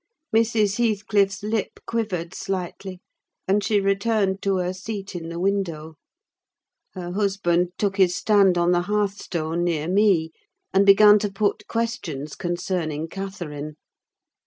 Mrs. Heathcliff's lip quivered slightly, and she returned to her seat in the window. Her husband took his stand on the hearthstone, near me, and began to put questions concerning Catherine.